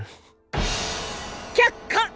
却下！